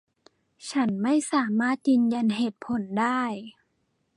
ฉันไม่สามารถยืนยันเหตุผลได้